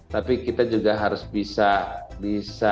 tapi kita juga harus bisa membutuhkan media yang masih ada